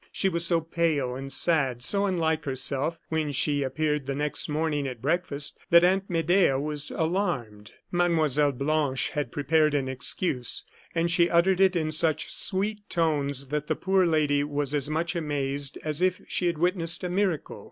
She was so pale and sad, so unlike herself when she appeared the next morning at breakfast, that Aunt Medea was alarmed. Mlle. Blanche had prepared an excuse, and she uttered it in such sweet tones that the poor lady was as much amazed as if she had witnessed a miracle.